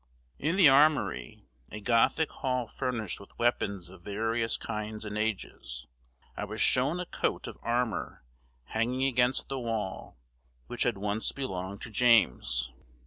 In the armory, a Gothic hall furnished with weapons of various kinds and ages, I was shown a coat of armor hanging against the wall, which had once belonged to James.